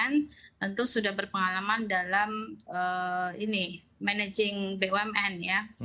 dan pak partikul sebagai waman dari bumn tentu sudah berpengalaman dalam ini manajing bumn ya